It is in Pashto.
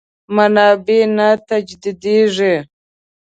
منابع نه تجدیدېږي.